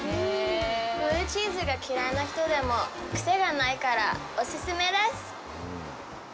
ブルーチーズが嫌いな人でもくせがないからお勧めです。